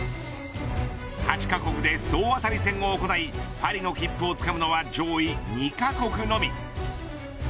８カ国で総当たり戦を行いパリの切符をつかむのは上位２カ国のみ。